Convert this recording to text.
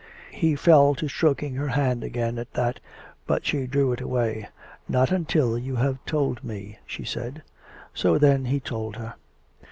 '*" He fell to stroking her hand again at that, but she drew it away. " Not until you have told me," she said. So then he told her.